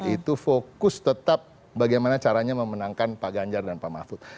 itu fokus tetap bagaimana caranya memenangkan pak ganjar dan pak mahfud